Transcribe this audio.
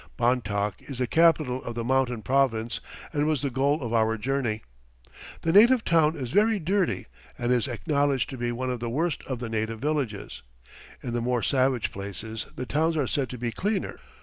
Bontoc is the capital of the Mountain Province and was the goal of our journey. The native town is very dirty and is acknowledged to be one of the worst of the native villages; in the more savage places the towns are said to be cleaner.